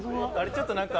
ちょっとなんか。